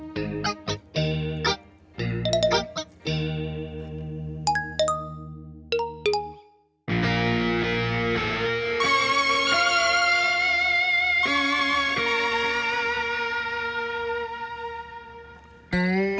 coba sekali lagi deh